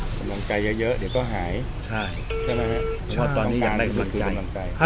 กำลังใจเยอะเยอะเดี๋ยวก็หายใช่ไหมฮะเพราะว่าตอนนี้อยากได้อีกบันใจ